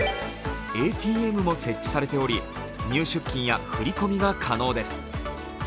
ＡＴＭも設置されており、入出金や振り込みが可能です。